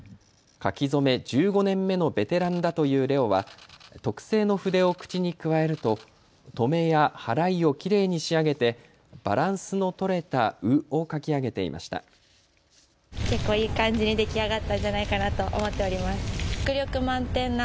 書き初め１５年目のベテランだというレオは特製の筆を口にくわえるととめやはらいをきれいに仕上げてバランスの取れた卯を書き上げていました。